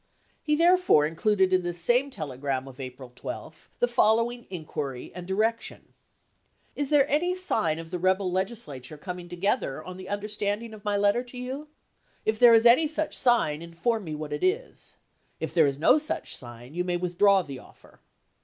He therefore in cluded in this same telegram of April 12 the fol ise& lowing inquiry and direction : "Is there any sign of the rebel Legislature coming together on the un derstanding of my letter to you 1 If there is any such sign, inform me what it is. If there is no such sign, you may withdraw the offer."